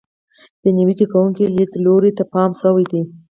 د نیوکه کوونکو لیدلورو ته پام شوی دی.